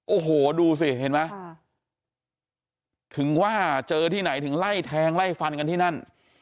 โอ้โหดูสิเห็นไหมถึงว่าเจอที่ไหนถึงไล่แทงไล่ฟันกันที่นั่น